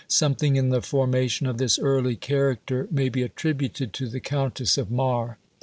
Something in the formation of this early character may be attributed to the Countess of Mar.